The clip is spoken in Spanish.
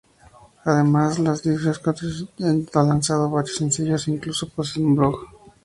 Además de ser disc jockeys, han lanzado varios sencillos e incluso, poseen un blog.